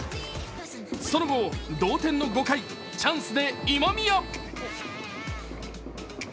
その後、同点の５回、チャンスで今宮。